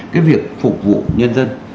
cái việc phục vụ nhân dân